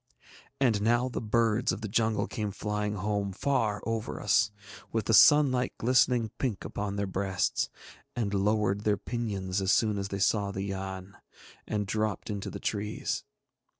And now the birds of the jungle came flying home far over us, with the sunlight glistening pink upon their breasts, and lowered their pinions as soon as they saw the Yann, and dropped into the trees.